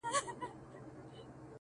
خپه په دې یم چي زه مرم ته به خوشحاله یې-